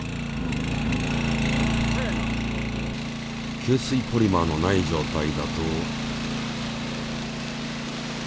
吸水ポリマーのない状態だと。